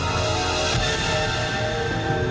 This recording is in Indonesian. jangan percaya demokrat